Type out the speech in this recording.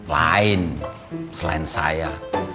lain selain saya